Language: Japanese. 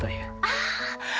ああ！